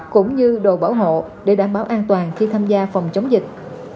cũng như đồ bảo hộ để đảm bảo an toàn khi tham gia phòng chống dịch